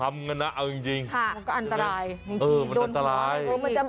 มันจะหิวอ่ะสิ